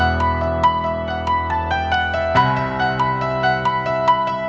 apatahok ini kslp